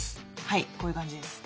はいこういう感じです。